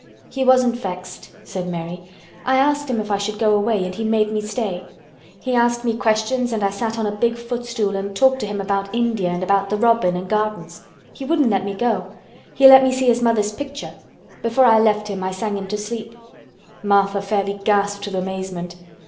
"He wasn't vexed," said Mary. "I asked him if I should go away and he made me stay. He asked me questions and I sat on a big footstool and talked to him about India and about the robin and gardens. He wouldn't let me go. He let me see his mother's picture. Before I left him I sang him to sleep." Martha fairly gasped with amazement.